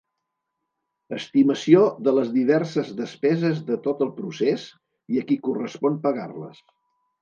Estimació de les diverses despeses de tot el procés i a qui correspon pagar-les.